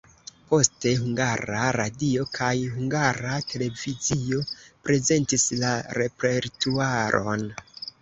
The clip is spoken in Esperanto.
Poste Hungara Radio kaj Hungara Televizio prezentis la repertuaron.